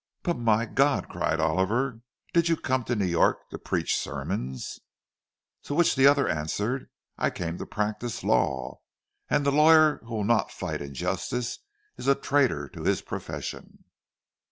"But my God!" cried Oliver; "did you come to New York to preach sermons?" To which the other answered, "I came to practise law. And the lawyer who will not fight injustice is a traitor to his profession."